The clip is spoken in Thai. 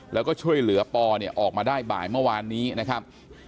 แล้วก็ช่วยเหลือปอเนี่ยออกมาได้บ่ายเมื่อวานนี้นะครับ